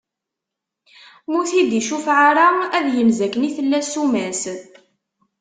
Ma ur t-id-icufeɛ ara, ad yenz akken i tella ssuma-s.